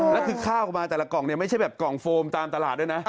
แล้วคือข้าวมาแต่ละกล่องเนี่ยไม่ใช่แบบกล่องโฟมตามตลาดด้วยนะ